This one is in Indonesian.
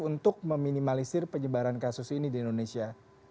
untuk meminimalisir penyebaran kasus ini di indonesia